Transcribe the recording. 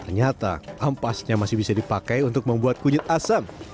ternyata ampasnya masih bisa dipakai untuk membuat kunyit asam